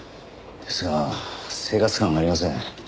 ですが生活感がありません。